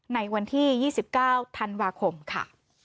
ในวันที่ยี่สิบเก้าธันวาคมค่ะ